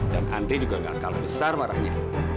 dan andre juga gak akan kalau besar marahnya